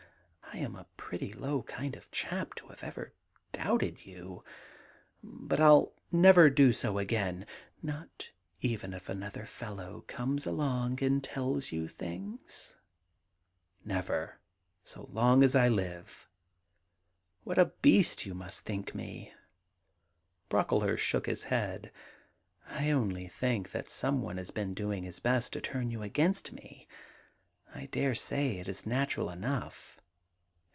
I am a pretty low kind of chap to have ever doubted you ; but I '11 never do so again.' *Not even if another fellow comes along and tells you things ?'* Never, so long as I live. ... What a beast you must think me.' Brocklehurst shook his head. 'I only think that some one has been doing his best to turn you against me. I dare say it is natural enough.